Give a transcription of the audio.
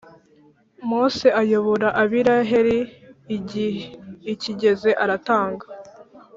Mose ayobora abiiraheli igih kigeze aratanga